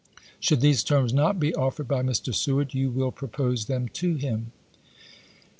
Should these terms not be offered by Mr. Seward, you will propose them to him. Lvous.